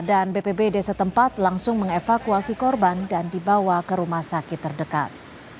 dan bpbd setempat langsung mengevakuasi korban dan dibawa ke rumah sakit terdekat